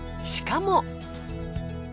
しかも。